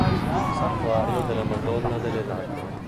Santuario della Madonna delle Lacrime